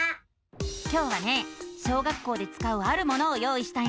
今日はね小学校でつかうあるものを用意したよ！